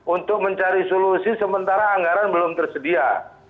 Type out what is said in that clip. untuk mencari solusi sementara anggaran belum tersedia